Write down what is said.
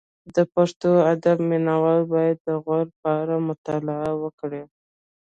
د پښتو ادب مینه وال باید د غور په اړه مطالعه وکړي